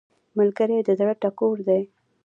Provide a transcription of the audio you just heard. ملګری د زړه ټکور دی